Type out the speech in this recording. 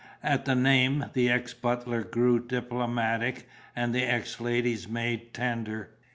At the name, the ex butler grew diplomatic, and the ex lady's maid tender.